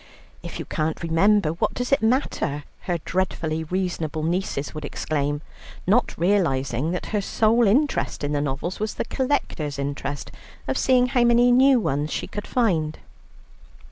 "If you can't remember, what does it matter?" her dreadfully reasonable nieces would exclaim, not realizing that her sole interest in the novels was the collector's interest of seeing how many new ones she could find.